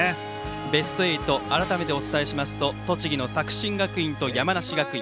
ベスト８をお伝えすると栃木の作新学院と山梨学院。